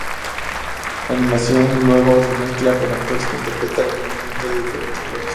La animación luego se mezcla con actores que interpretan el movimiento de diferentes flores.